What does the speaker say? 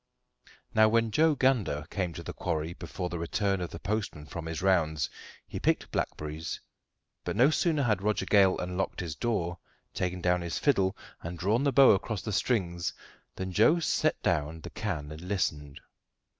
Now, when Joe Gander came to the quarry before the return of the postman from his rounds, he picked blackberries; but no sooner had Roger Gale unlocked his door, taken down his fiddle, and drawn the bow across the strings, than Joe set down the can and listened.